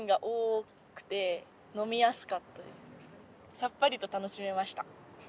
さっぱりと楽しめました。